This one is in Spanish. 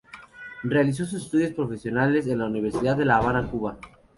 Realizó sus estudios profesionales en la Universidad de la Habana, Cuba.